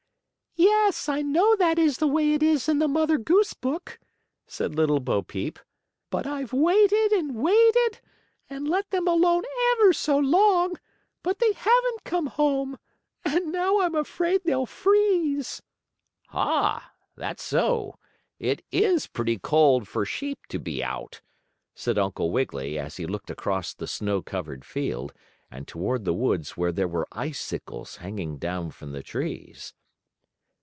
"Yes, I know that's the way it is in the Mother Goose book," said Little Bo Peep, "but I've waited and waited, and let them alone ever so long, but they haven't come home. And now I'm afraid they'll freeze." "Ha! That's so. It is pretty cold for sheep to be out," said Uncle Wiggily, as he looked across the snow covered field, and toward the woods where there were icicles hanging down from the trees.